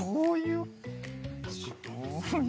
うん。